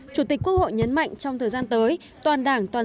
chủ tịch quốc hội nhấn mạnh trong thời gian tới